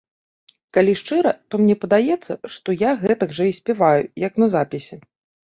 Калі шчыра, то мне падаецца, што я гэтак жа і спяваю, як на запісе.